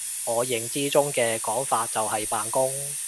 我認知中嘅講法就係扮工！